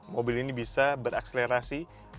mobil ini bisa berakselerasi